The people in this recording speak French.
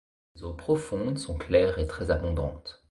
Ses eaux profondes sont claires et très abondantes.